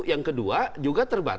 yang kedua juga terbatas